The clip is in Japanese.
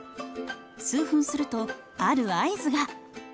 数分するとある合図が。